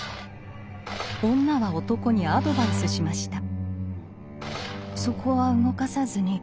女は男にアドバイスしました。